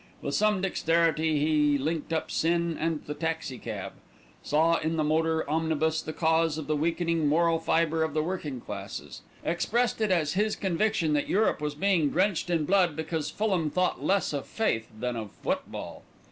With some dexterity he linked up sin and the taxi cab, saw in the motor omnibus the cause of the weakening moral fibre of the working classes, expressed it as his conviction that Europe was being drenched in blood because Fulham thought less of faith than of football.